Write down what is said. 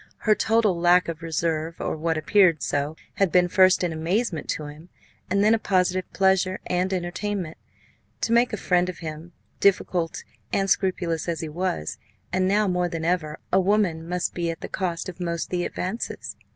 Her total lack of reserve, or what appeared so, had been first an amazement to him, and then a positive pleasure and entertainment. To make a friend of him difficult and scrupulous as he was, and now more than ever a woman must be at the cost of most of the advances.